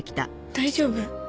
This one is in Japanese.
大丈夫？